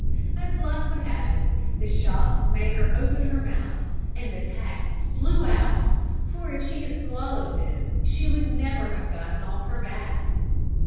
As luck would have it, the shock made her open her mouth and the tacks flew out for if she had swallowed them she would never have gotten off her back.